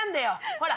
ほら！